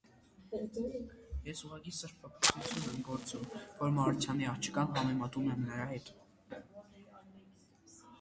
ես ուղղակի սրբապղծություն եմ գործում, որ Մարությանի աղջկան համեմատում եմ նրա հետ: